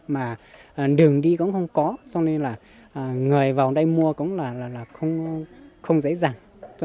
mà đường đi cũng không có cho nên là người vào đây mua cũng là không dễ dàng